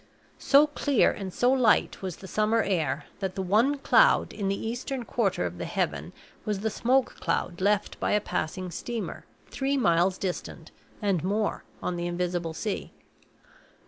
So clear and so light was the summer air that the one cloud in the eastern quarter of the heaven was the smoke cloud left by a passing steamer three miles distant and more on the invisible sea.